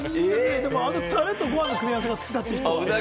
あのタレとご飯の組み合わせが好きだという。